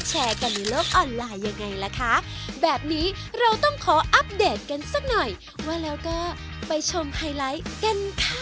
เสร็จท่านแรกเลยแล้วก็